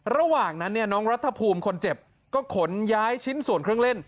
ระหว่างนั้นเนี่ยน้องรัฐภูมิคนเจ็บก็ขนย้ายชิ้นส่วนเครื่องเล่น